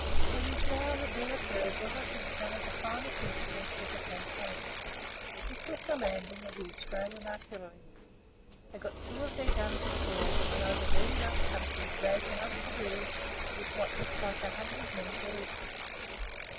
It was now that there occurred what I think one of the finest incidents of the campaign. This was the landing of the Australian Artillery. They got two of their guns ashore, and over very rough country dragged them up the hills with what looked like a hundred men to each.